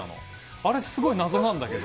あれ、すごい謎なんだけど。